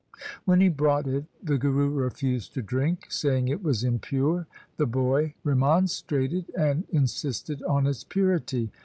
When he brought it the Guru refused to drink, saying it was impure The boy remonstrated and insisted on its purity.